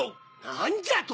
何じゃと！